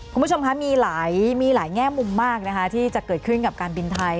คุณผู้ชมคะมีหลายแง่มุมมากนะคะที่จะเกิดขึ้นกับการบินไทย